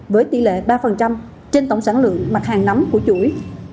với tỷ lệ ba trên tổng sản lượng mặt hàng nắm của chuỗi